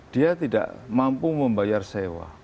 dia tidak mampu membayar sewa